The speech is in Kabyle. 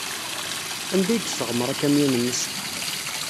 Anda ay yesseɣmer akamyun-nnes?